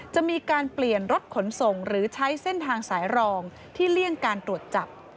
จะมีการเปลี่ยนรถขนส่งหรือใช้เส้นทางสายรองที่เลี่ยงการตรวจจับ